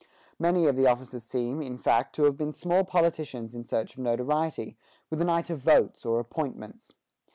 Many of the officers seem, in fact, to have been small politicians in search of notoriety, with an eye to votes or appointments.